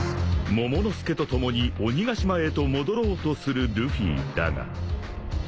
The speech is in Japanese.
［モモの助と共に鬼ヶ島へと戻ろうとするルフィだが］